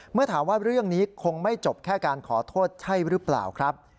เมื่อถามว่าเรื่องนี้คงไม่จบแค่การขอโทษใช่หรือเปล่าครับ